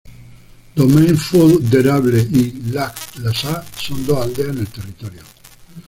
Domaine-Feuille-d'Érable y Lac-Lasalle son dos aldeas en el territorio.